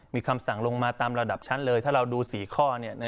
มีคำสั่งลงมาตามระดับชั้นเลยถ้าเราดู๔ข้อ